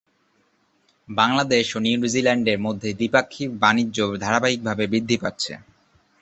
বাংলাদেশ ও নিউজিল্যান্ডের মধ্যে দ্বিপাক্ষিক বাণিজ্য ধারাবাহিকভাবে বৃদ্ধি পাচ্ছে।